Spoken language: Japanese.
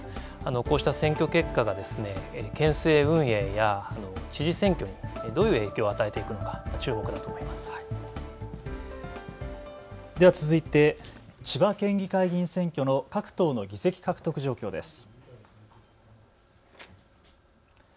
こうした選挙結果が県政運営や知事選挙にどういう影響を与えていくのか、では続いて、千葉県議会議員選挙の各党の議席獲得状況です。